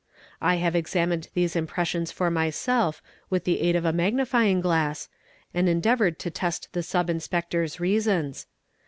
I have examined these impressions for myself with the aid of a magnifying glass, and endeavoured to test the Sub : Inspector's reasons.